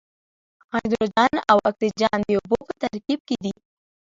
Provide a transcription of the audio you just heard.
هایدروجن او اکسیجن د اوبو په ترکیب کې دي.